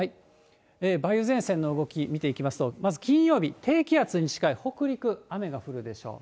梅雨前線の動き、見ていきますと、まず金曜日、低気圧に近い北陸、雨が降るでしょう。